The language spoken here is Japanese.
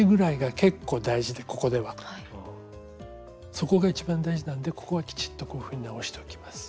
底が一番大事なんでここはきちっとこういうふうに直しておきます。